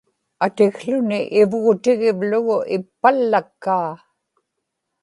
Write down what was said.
atikłuni ivgutigivlugu ippallakkaa